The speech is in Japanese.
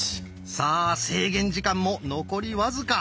さあ制限時間も残り僅か。